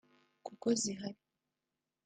kuko zirahari